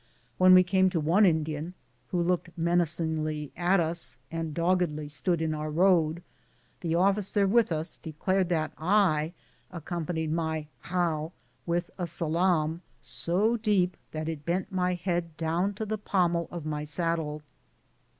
When we came to one Indian, who looked menacingly at us and doggedly stood in our road, the officer with us declared that I accompanied my "how" with a salaam so deep that it bent my head down to the pommel of my saddle!